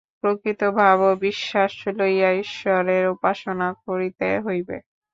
প্রকৃত ভাব ও বিশ্বাস লইয়া ঈশ্বরের উপাসনা করিতে হইবে।